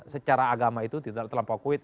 secara agama itu tidak terlampau kuid